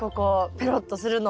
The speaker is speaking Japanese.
ペロッとするの。